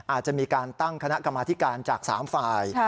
อาจจะมีการตั้งคณะกรรมธิการจาก๓ฝ่าย